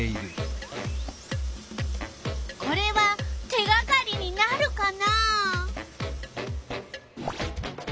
これは手がかりになるかな？